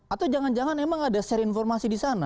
atau jangan jangan emang ada share informasi disana